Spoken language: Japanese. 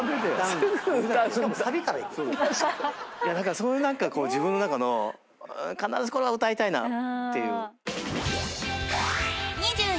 そういう何か自分の中の必ずこれは歌いたいなっていう。